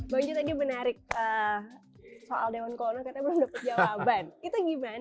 bang jho tadi menarik soal dewan kolonel karena belum dapat jawaban